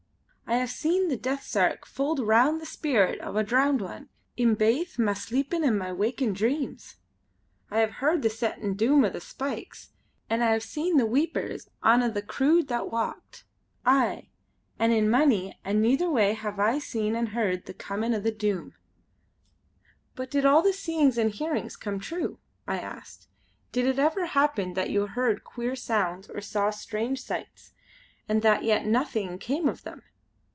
I hae seen the death sark fold round the speerit o' a drowned one, in baith ma sleepin' an' ma wakin' dreams. I hae heard the settin' doom o' the Spaiks, an' I hae seen the Weepers on a' the crood that walked. Aye, an' in mony anither way hae I seen an' heard the Coming o' the Doom." "But did all the seeings and hearings come true?" I asked. "Did it ever happen that you heard queer sounds or saw strange sights and that yet nothing came of them?